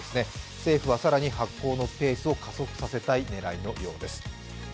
政府は更に発行のペースを加速させたい考えのようです。